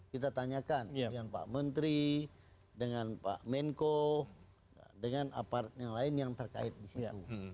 kita tanyakan dengan pak menteri dengan pak menko dengan apart yang lain yang terkait di situ